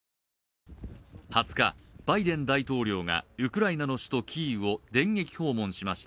２０日、バイデン大統領がウクライナの首都キーウを電撃訪問しました。